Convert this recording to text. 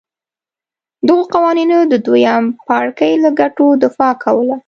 دغو قوانینو د دویم پاړکي له ګټو دفاع کوله.